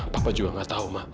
papa juga nggak tahu ma